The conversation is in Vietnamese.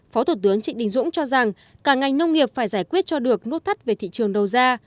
phó thủ tướng trịnh đình dũng cho rằng cả ngành nông nghiệp phải giải quyết cho được nút thắt về thị trường đầu ra